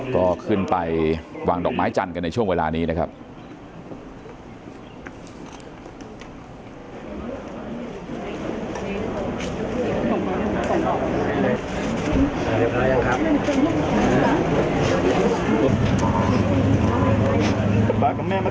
ก็ขึ้นไปวางดอกไม้จันทร์กันในช่วงเวลานี้นะครับ